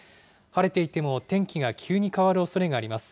晴れていても天気が急に変わるおそれがあります。